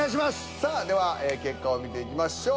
さあでは結果を見ていきましょう。